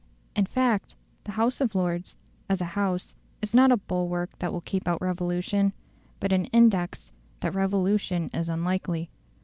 In fact the House of Lords, as a House, is not a bulwark that will keep out revolution, but an index that revolution is unlikely.